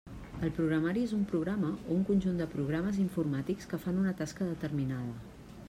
El programari és un programa o un conjunt de programes informàtics que fan una tasca determinada.